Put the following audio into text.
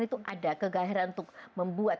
itu ada kegairan untuk membuat